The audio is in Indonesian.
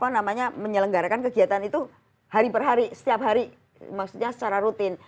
apa namanya menyelenggarakan kegiatan itu hari per hari setiap hari maksudnya secara rutin